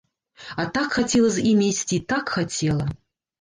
А так хацела з імі ісці, так хацела!